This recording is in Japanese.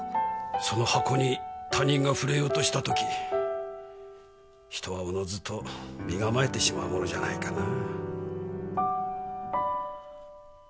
その箱に他人が触れようとした時人はおのずと身構えてしまうものじゃないかな。